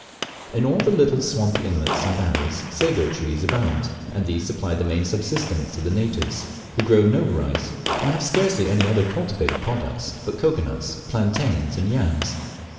In all the little swampy inlets and valleys sago trees abound, and these supply the main subsistence of the natives, who grow no rice, and have scarcely any other cultivated products but cocoa nuts, plantains, and yams.